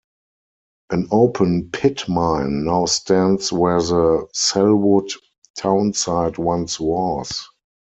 An open pit mine now stands where the Sellwood townsite once was.